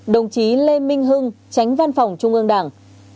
đồng chí lê minh hưng tránh văn phòng trung ương đảng